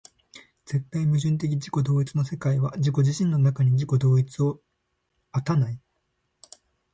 絶対矛盾的自己同一の世界は自己自身の中に自己同一を有たない。